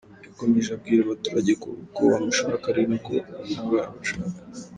Yakomeje abwira abaturage ko uko bamushaka ari nako na we abashaka.